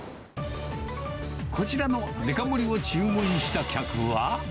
こちらのデカ盛りを注文した客は。